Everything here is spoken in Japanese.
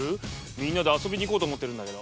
みんなで遊びに行こうと思ってるんだけど。